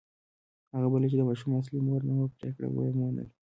هغه بله چې د ماشوم اصلي مور نه وه پرېکړه یې ومنله.